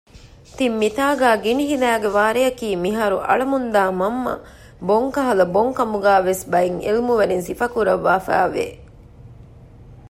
ތިން މިތާގައި ގިނިހިލައިގެ ވާރެއަކީ މިހާރު އަޅަމުންދާ މަންމަ ބޮންކަހަލަ ބޮންކަމުގައި ވެސް ބައެއް ޢިލްމުވެރިން ސިފަކުރަށްވާފައި ވެ